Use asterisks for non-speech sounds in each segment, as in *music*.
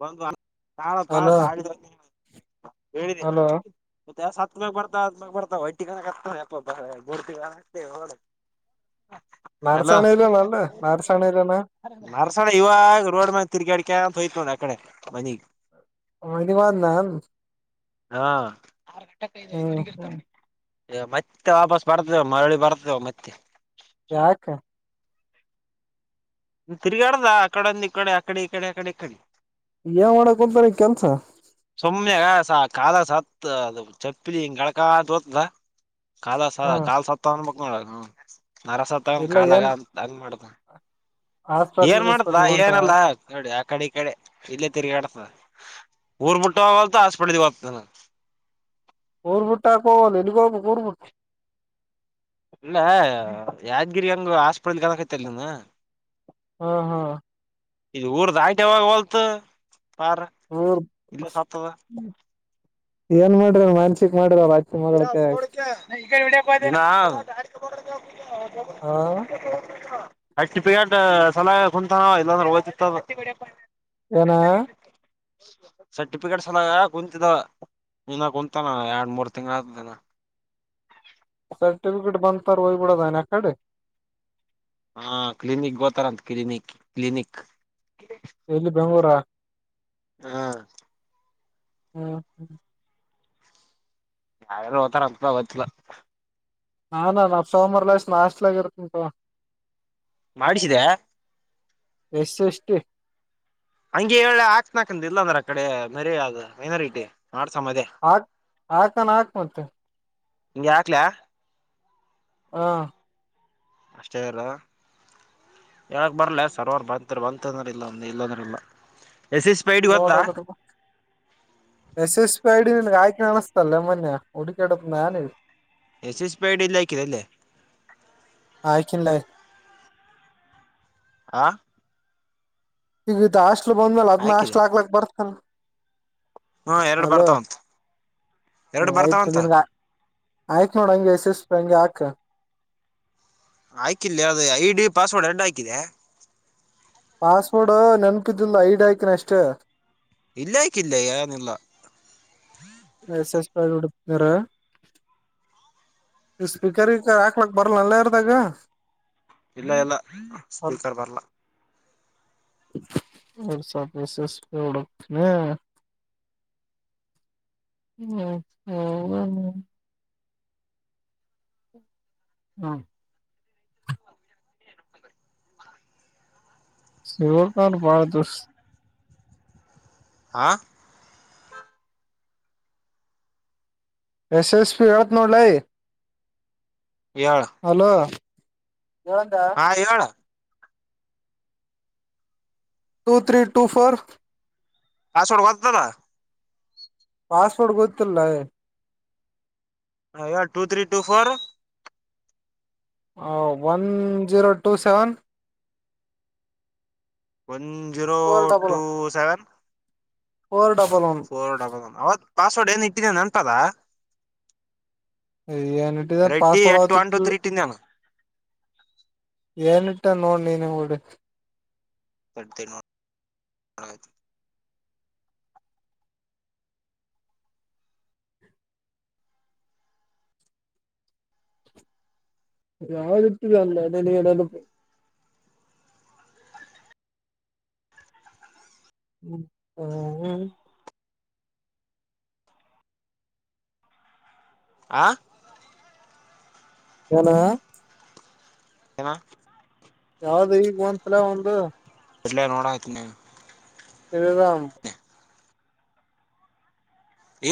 ಬಂದು ನಾಳೆ -ಬಾ ಹಲೋ -ತಾಳಪ್ಪಾ. ಹೇಳಿದೆ ಹಲೋ ನಾ-ಸತ್ತಮಾಗ್ ಬರ್ತಾ ಹಟಾಗ್ಯಾ ಬರ್ತಳಂತ್ತ ಕ ಹಕ್ತಪ್ಪ ಮೂರ್ತಿ- ಕ -ಹಕ್ತಳ ನಾರಸಣಲಿನ ವಲ್ಲೇ ನಾರಸಾಣೆಲಿಣ್ಣ ನರಸಣ ಇವಾಗ ರೋಡ್ ಮಾಗ ತಿರ್ಗಾ ಅಡಿಕ ಅಂತ ಹೋಯ್ತು ಒಂದ ಅಕಡೆ ಮನಿಗ್. ಒನ್ದ್ ಮಾಡ ನನ್ನ ಹಾ -ಆತ ಹ್ಮ್ ಮತ್ತೆ ವಾಪಸ್ ಬರ್ತವ ಮರಳಿ ಬರ್ತೇವ ಮತ್ತೆ *unintelligible* *unintelligible* ಯಕ ತಿರುಗಾಡದ ಅಕಡೆಂದು ಇ ಕಡೆ ಅಕಡೆ ಇಕಡೆ ಅಕಡೆ ಇಕ್ಕಡೆ ಯಾವ ಮಾಡಡಕ್ ಕುಂತರಿ ಕೆಲ್ಸ ಸುಮ್ನೆಗ ಸ ಕಾಲ ಸತ್ ಅದು ಚಪ್ಪಲಿ ಹಿಂಗ ಗಗಳಕಾ ಹೋತದ ಕಾಲ- ಹ್ಮ್ ಕಾ- ಸತ್ತ ಅನ್ಬ ಏನ್ ಮಾಡೋ ಅರಹಸ ತಗೊಂಡು ಇಲ್ಲ ಕಾಲಾಗ ಏನ್ ಅಂತ ಹಂಗ ಮಾಡ್ನ ಹಾಸ್ಪಿಟ್ಲ್ ಏನ್ ಮಾಡತ ಗಿಸ್ಪಿಟ್ಲ್ ಹೊಂಟ ಏನಲ್ಲ ಕಡೆ -ಆ -ಕಡೆ ಈ ಕಡೆ ಇಲ್ಲೇ ತಿರ್ಗಿ ಆಡ್ತಾದ ಊರ್ ಬುಟ್ಟೋ ಹೋಗ್ ಹಾಸ್ಬತದೆ ಊರ್ಬಿಟ್ಟಾಕಬೋದು ಎಲ್ಲೀಗೋಗ್ಬೇಕು. ಇಲ್ಲ ಯಾದ್ಗಿರಿ ಹಂಗ ಹಾಸ್ಪಿಟ್ಲ್ ಹಕೈತಿಲ್ಲ ನೀನು. ಹಾ- ಹಾ ಇದು ಊರ್ ದಾಟ್ ವೊರ್ಲತ್ತು ಪಾರ್ ಊರ್ ಇಲ್ಲ ಸತ್ತದ. ಏನ್ ಮಾಡ್ರಿ ವೈಲ್ಸ್ ಹ -ನೋಡ್ಯಾ ಆ ಸರ್ಟಿಫಿಕೇಟ್ ಸಲಹ ಕುಂತಾನ ಇಲ್ಲಾಂದ್ರೆ ಹೋಗ್ತಿತ್ತ ಏನ ಸರಿ ಸರ್ಟಿಫಿಕೇಟ್ಸ್ ಎಲ ಕುಂತಿದ ಇನ್ನ ಕುಂತಾನ ಎರ ಒ ಮೂರು ತಿಂಗ್ ಆದನ ಸರ್ಟಿಫಿಕೇಟ್ ಬಂತಾರ ಒಯಬೂಡದನ ಅಕ್ಕಡೆ ಹಾ ಕ್ಲಿನಿಕ್ ಗೋತಾರಂತ ಕ್ಲಿನಿಕ್ ಕ್ಲಿನಿಕ್ *unintelligible* ಇಲ್ಲಿ ಬೆಂಗ್ಳೂರಾ ಹಾ ಹ್ಮ ಹ ಯಾರಾರು ಓತಾರ ಅಂತ ಗೊತ್ತಿಲ್ಲ ಹಾ ನ ನಾ ಸೋಮವಾರ ಲಸ್ ನಾಸ್ಲಗರ್ತ ಉಂಟ ಮಾಡಿಸಿದೆ ಎಸ್ ಎಷ್ಟಟಿ ಹಂಗಗೆ ಹೇಳ ಹಾಕ್ತನ ಹಾಕಂದ ಇಲ್ಲ ಅಂದ್ರೆ ಆ ಕಡೆ ಮರರೆ ಅ ಮೈನಾರಿಟಿ ಮಾಡ್ಸಮದೇ ಹಾಕ್ ಹಾಕಾನ ಹಾಕ್ ಮತ್ತೆ ನೀ ಯಾಕ್ಲ ಹಾ ಅಷ್ಟೇ ಅಲ್ಲ ಹೇಳಕ್ ಬರಲ ಸರ್ವರ್ ಬಂತರು ಬಂತಂದರು ಇಲ್ಲ ಒಂದು ಇಲ್ಲಂದ್ರ ಇಲ್ಲ ಎಸ್ ಎಸ್ ಪೈಡ್ ನೋ ಗೊತ್ತಾ ಎಸ್ ಎಸ್ ಐ ಹಡಿನ್ಗ್ ಆಯ್ಕೆ ಅನಸ್ತಲ್ಲೆ ಮೊೆ ಹುಡುಕಾಡತ್ ನಾನ *inaudible* ಎಸ್ ಎಸ್ ಪಿ ಐಡಿ ಇಲ್ಲಕ್ಕರಲ್ಲೇ ಆಯ್ಕಿಲ್ಲ ಆಾ ಈಗ ಇದಾಸ್ಟ್ಲು ಬಂದ್ಮೇಲ್ ಅದ್ ಹಾಕಿದೆ ನಾಸ್ಲ್ ಆಾಕ್ಲಕ್ ಬರ್ತಲ್ ಹ್ಮ ಎರಡು ಬರ್ತಾವ ಉಂತ ಹ್ಮ್ ಆಯ್ತುನ್ಗ ಆಯ್ತ್ ನೋಡ ಹಂಗೆ ಎಸ ಎಷ್ಟ ಪಂಗಾಕ್ ಆಯ್ಕಿಲ್ಲ ಅದು ಐ ಡಿ ಪಾಸ್ವರ್ಡ್ ಎರಡು ಆಾಕಿದೆ ಪಾಸ್ವರ್ಡ್ ನೆನಪಿದಲ್ ಐಡಿ ಆಾಕನ ಅಷ್ಟೇ ಇಲ್ಲಕ್ಕ ಇಲ್ಲ ಏನಿಲ್ಲ ಎಸ ಎಸ್ ಪಡುರ ಸ್ಪೀಕರ್ಗ ಹಾಕ್ಲಾಕ್ ಬರಲಲ್ಲ ಇರ್ದಾಗ ಇಲ್ಲ ಇಲ್ಲ ಸ್ಪೀಕರ್ ಬರ್ಲ ಸಪೆ ಶೇಷ ರ ಹ ಹ್ಮ ಹೌ ಹ್ಮ ಶಿವಕ ಭಾರದುಷ ಆ ಎಸ್ ಎಸ್ ಪಿ ಹೇಳ್ತ್ ನೋಡಲೈ ಹೇಳ ಹಲೋ ಹಾ ಹೇಳ ಟೂ ತ್ರರಿ ಟೂ ಫೋರ್ ಹ ಸೋಡ್ ವದತದ ಪಾಸ್ವರ್ಡ್ ಗೊತ್ತಲ್ಲ ಹಯ ಟು ತ್ರೀ ಟೂ ಫೋರ್ ಹ one zero two seven zero four double two one seven four double one four double one ಹದು ಪಾಸ್ವರ್ಡ್ ಏನ್ ಇಟ್ಟಿದೇ ಅೆನ್ಪದಾ ಏನಿಟ್ಟಿದೆ Reddy password at one two ಅವತ್ತಿಟ್ಟ ತ್ರೀ ಟಿಂದಾನ ಏನ ಇಟ್ಟ ನೋಡ್ ನೀ ನೀ ಡಿ ಡ್ *unintelligible* ಯಾವ ವಿಟ್ಟಿಲ್ಲ *unintelligible* ಹ್ಮ ಹ್ಮ ಹ್ಮ್ ಆ ಏನ ಕ ಯಾವ್ದ ಈಗ ಒಂದ್ಸಲ ಒಂದು ಇಡ್ಲೆ ನೋಡ್ತ ನೀ ಇದಾಮ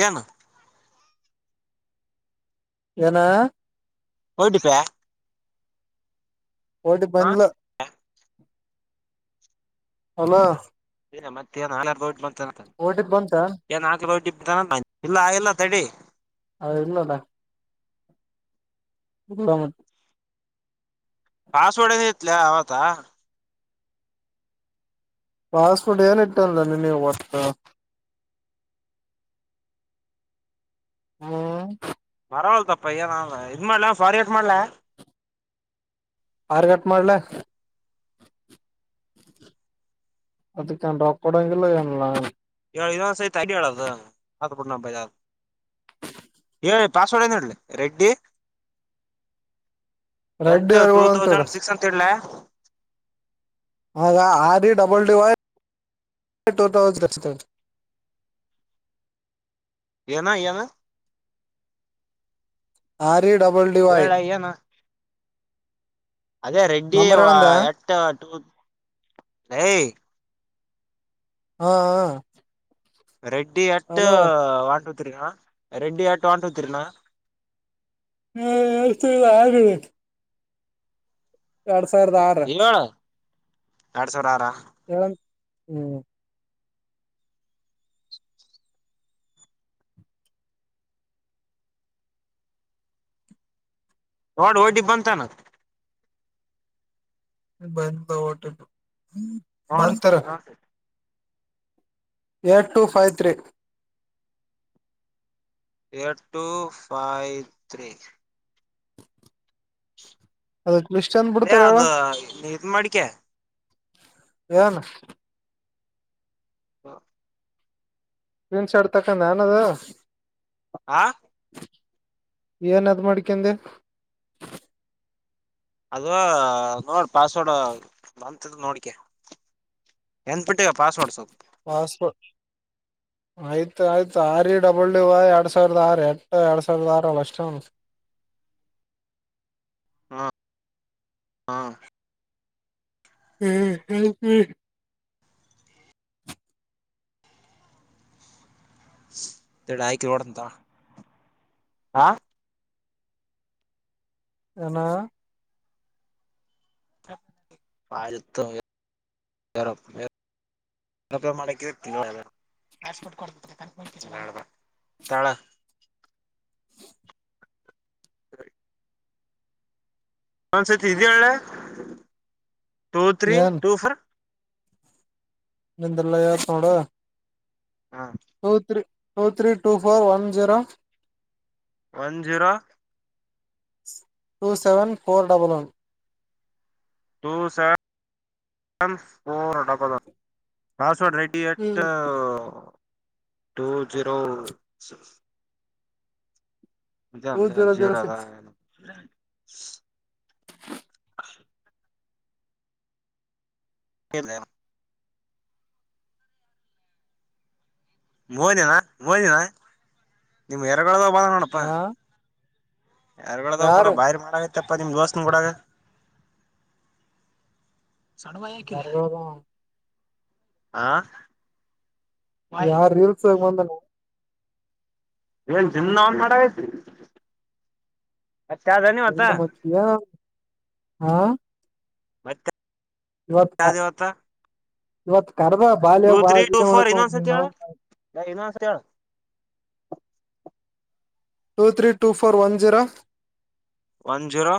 ಏನು ಏನ ಒ ಟಿ ಪಿ ಯಾ ಒ ಟಿ ಪಿ ಬಂದಿಲ್ಲ ಹಲೋ ಏ ಮತ್ತೆನ್ ನಲ್ಕೂ ಓಟಿ ಬಂತ ಬ ನಾಲ್ಕು ಬ ಇಲ್ಲ ಆಗಿಲ್ಲ ತಡಿ ಅ ಇಲ್ಲದಾ *unintelligible* ಪಾಸವರ್ಡ್ ಇಲ ಹತ ಪಾಸ್ವರ್ಡ್ ಏನ್ ಇಟ್ಟಾನಲ್ಲ ನೀ ನೀವು ಹೊತ್ತ ಹ್ಮ್ ಪರವವಾಗಿಲು ತಪ್ಪ ಪಯ್ಯದ ಇದು ಮಾಡಲ ಫರ್ಗೆಟ್ ಮಾಡಲ್ಲ ಫರ್ಗಟ್ ಮಾಡ್ಲ ಅದಕ್ಕೊ ಕೊಡಂಗಲ್ಲಏಲ್ಲ ಏನೋ ಸೇತ ಅಡಿ ಎಳ ಆಯ್ತು ಬಿಡು ಬಿಜ ಹ ಪಾಸ್ವಡ್ ಏಲ್ಲ ರೆಡ್ಡಿ ಎಟ್ ರೆಡ್ಡಿ ಟೂ ಅರಿಗಳು ಅಂತೇಳ ತೌಸಂಡ್ ಸಿಕ್ಸ್ ಅಂತ ಇಡ್ಲ ಹ R D double D Y ಟ ತೌಸ್ ರ *inaudible* ಏನ ಏನು ಆರಿ ಡಾಬ್ಲೆವು ಆಯ್ ಹೇಳ ಏನ ಅದೇ ರೆಡ್ಡಿ ಎಟ್ ಹೆ ಹಾ ಹ ready at one two three Reddy at one two three ನಾ ಹ ಎತ *unintelligible* ಎರಡ್ ಸಾವಿರದ ಆರು ಹೇಳ ಎರಡ್ ಸಾವಿರ ಆರ ಇವಂ ಹ್ಮ್ ಹೋಡ್ ಓಟಿಪಿಬಂದಂತಾನ ಬಧ ೋಟ್ಟು *unintelligible* ಹ್ಮ್ ಇಡು at two five three at two five three *inaudible* ಅದು ಲಿಸ್ಟ್ ಅಂದ್ ಇ ಬಿಡ್ತಾರ ಅದು ಇತ್ ಮಾಡಿಕೆ ಯನು ಹಾ ಕ್ರಿನ್ ಶರ್ಟ್ ತಕಂದ ಏನದು ಆ ಏನ್ ಅದ್ ಮಾಡಕಂದೆ ಅದ ನೋಡಿ ಪಾಸ್ವರ್ಡ್ ಬ ನೋಡಿಕ ಎನ್ ಬಿಟ್ಟ ಈಗ ಪಾಸ್ವರ್ಡ್ ಸವಲ್ ಹಾಸ್ಪ ಆಯ್ತು ಆಯ್ತು ಆರಿ ಡಬಲ್ಯೂ ವ ಎರಡ್ ಸಾವಿರದ ಆರು ಎಟ ಎರಡ್ ಸಾವಿರದ ಆರು ಅಷ್ಟೇ ಹ್ಮ ಹ್ಮ ಹ್ಮ್ ಹ್ಮ್ ಹ್ಮ್ ತ ಢಾಯ ಕೋಡ ಅಂತ ಹಾ ಇ ಆಯತರ ತಗೋ ಆ ಆಯ್ತು ತಳ ಹ ಒಂದ್ಸತಿ ಇದ ಒಳ್ಳೆ ಟೂ ತ್ರೀ ಟೂ ಫೋರ್ ನಂದ್ರಲ್ಲ ಯಾರ ನೂಡ ಹಾ two three two three two four one zero one zero two seven four double one ಟ ಸ four double ready at two zero ಮ ಟೂ ಮ ಜೀರೋ ಜೀರೋ ಜವರದ ಸಿಕ್ಸ್ ಹೇಳದ ಮೋನಿನ ಮೋನಿನ ನಿಮ್ ಎರಗದ ಬಳ ನೋಡಪ್ಪಾ ಹಾ ಯಾರ್ಗಳದಾವ ಕಡ ಯಾರು ಬಾರಿ ಮಾಡಗತ್ತ ಪ್ಪಮಗೆ ದಸ್ನ ಕೂಡ ಸಡುವ ಯಾಕಿಲ್ಲ ಆ ಯಾರ ರೀಲ್ಸ್ ಬಂದ ಎ ಜ ನ ಮಾಡ ಮ ಹಾ ಇವತ್ ಮತ್ಯಾದವತ ಇವತ್ ಕರ್ದ ಬಾಲ್ಯ ಬಾ ಮಾಡಕ ಕತ್ತ two three two four one zero one zero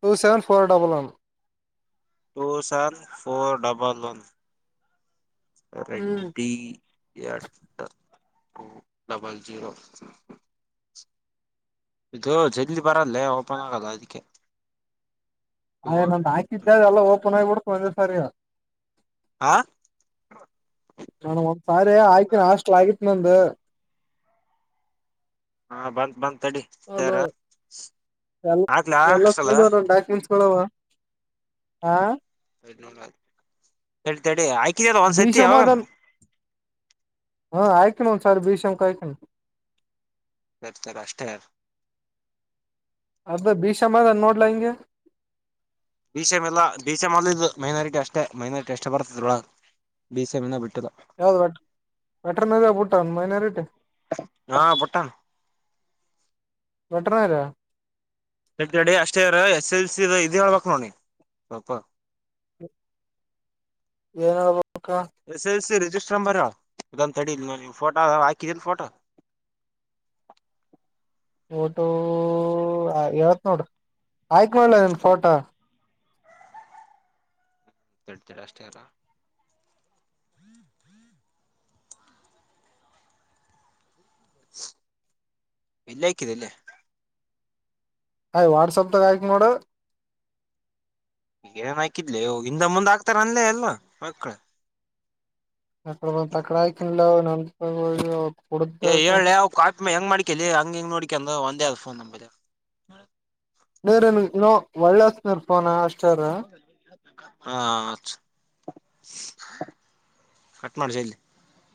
two seven four double one two seven four double one. ಹ್ಮ್ ರೆಡ್ಡಿ ಎಟ್ಟ ಟೂ ಡಬಲ್ ಜೀರೋ ಇದು ಜಲ್ ಬರಲ್ಲೇ ಓಪನ್ ಆಗಲ್ಲ ಅದಕ್ಕೆ ಆ ಇವು ನ ಹಾಕಿದ್ದೆ ಅ ಎಲ್ಲ ಓಪನ್ ಆಗಿಬಿಡ್ತು ಒಂದೆ ಸರಿ ಆ ನಾನು ಒಂದ್ಸಾರಿ ಆಯ್ತಿನ ಹಾಸ್ಟ್ಲ್ ಆಗಿತಿ ನಂದು ಹಾ ಬಂದ ಬಂದ ತಡಿ ತಾರ ಎ ಎಲ್ಲ ತ ಡಾಕ್ಯುಮೆಂಟ್ಸ್ ಹ ತಡಿ ಆಕಿದದ ಒಂದ್ ಸತಿ ಯಾವಾಗಾನ ಭೀಷಮದನ್ ಹಾ ಆಯ್ಕಣ ಒಂದ್ ಸಾರಿ ಭೀಷಂಕ ಆಯ್ಕಣ ರಪ್ತಾರಾಷ್ಟಟಾರ ಅದ ಭೀಷಮ ಅದನ್ ನೋಡ್ಲಾ ಹಂಗೆ ಬೀ ಸಿ ಎಂ ಅಲ್ಲ ಬೀ ಸಿ ಎಂ ಅಲ್ಲ ಇದು ಮೈನಾರಿಟಿ ಅಷ್ಟೇ ಮೈನಾರಿಟಿ ಅಷ್ಟೇ ಬರ್ತದ್ರೊಳಗೆ ಬೀ ಸಿ ಎಂ ಎ ಬಿಟ್ ಯಾವ್ದ ವೆಟ್ ವೆಟರ್ನರಿಬುಟ್ಟಾನ್ ಮೈನಾರಿಟಿ ಹಾ ಬುಟ್ಟಾನ್ ವೆಟರ್ನರಿಯಾ ಡಿಕೆಡಿ ಅಷ್ಟೇ ಇರ ಎಸ್ ಎಲ್ ಸಿ ದ ಇದ ಹೇಳ್ಬಕ್ ನೋಡಿ ಸ್ವಲ್ಪ ಏನ ಹೇಳ್ಬಕ್ S L C register number ಇದೊಂದ ತಡಿ ಫೋಟೋ ಹಾಕಿದೀಲ್ ಫೋಟೋ *inaudible* ಫೋಟೋ ಹೇಳ್ತ್ನ ನೋಡ್ ಆಯ್ಕ್ ನೋಡ್ಲೇ ನಿನ್ಗ ಫೋಟೋ ತಡಿ ತಡಿ ಅಷ್ಟೇ ‌ಇರ ಇಲ್ಲೇ ಆಕಿದೆಲ್ಲೇ ಹೈ ವಾಟ್ಸಾಪ್ದಾಗ ಹಾಕ್ನೋಡು ಈಗೇನ್ ಹಾಕಿದ್ಲಿ ಹಿಂದ ಮುಂದ್ ಆಕ್ತಾರ ಅನ್ಲ ಎಲ್ಲ ಮಕ್ಕ್ಳ *unintelligible* ಏ ಹೇಳ್ಲೇ ಅವ ಕಾ ಹೆಂಗ್ ಮಾಡಿಕೆಲ್ಲೆ ಹಂಗ ಹಿಂಗ್ ನೋಡಿಕೆಂದ್ ಒಂದೇ ಅದ ಫೋನ್ ನಂಬಲ್ಲೀ ಇ *unintelligible* *unintelligible* ಹಾ ಹಚ್ ಕಟ್ ಮಾಡ ಜಲ್ದಿ